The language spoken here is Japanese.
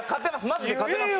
マジで勝てます。